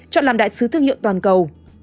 chọn làm đại sứ thương hiệu toàn cầu